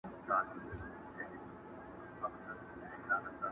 نجلۍ په درد کي ښورېږي او ساه يې تنګه ده،